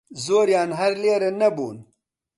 زۆریان هەر لێرە نەبوون